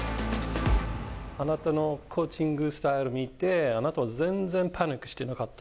あなたのコーチングスタイル見て、あなたは全然パニックしてなかった。